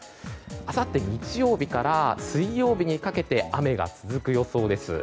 あさって日曜日から水曜日にかけて雨が続く予想です。